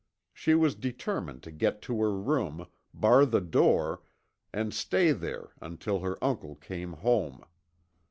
She was determined to get to her room, bar the door, and stay there until her uncle came home.